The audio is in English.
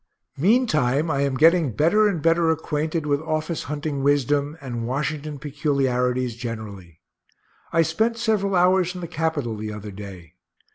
Meantime, I am getting better and better acquainted with office hunting wisdom and Washington peculiarities generally. I spent several hours in the Capitol the other day.